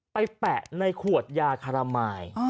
แปะในขวดยาคารมาย